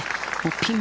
ピン